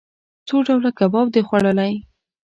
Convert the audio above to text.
څو ډوله کباب د خوړلئ؟